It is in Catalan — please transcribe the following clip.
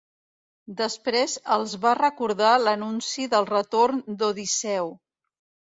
Després els va recordar l'anunci del retorn d'Odisseu.